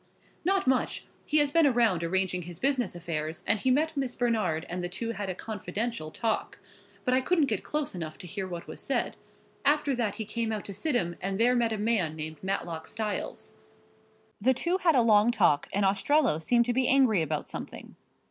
"Not much. He has been around arranging his business affairs and he met Miss Bernard and the two had a confidential talk, but I couldn't get close enough to hear what was said. After that he came out to Sidham and there met a man named Matlock Styles." "Go on." "The two had a long talk, and Ostrello seemed to be angry about something.